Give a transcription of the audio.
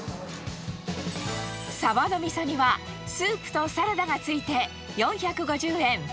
サバのみそ煮はスープとサラダがついて４５０円。